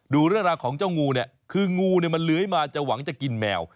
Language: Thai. ดูเรื่องราวของเจ้างูเนี่ยคืองูเนี่ยมันเลื้อยมาจะหวังจะกินแมว